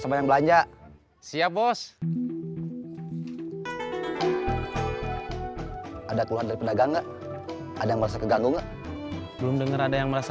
sama yang belanja siap bos ada keluarga pedagang ada merasa keganggu belum denger ada yang merasa